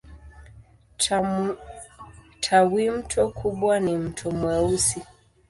Tawimto kubwa ni Mto Mweusi.